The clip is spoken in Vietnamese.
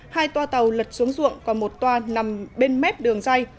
hai tòa tàu lật xuống ruộng còn một tòa nằm bên mép đường dây